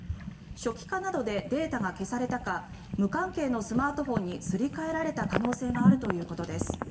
初期化などでデータが消されたか無関係のスマートフォンにすり替えられた可能性があるということです。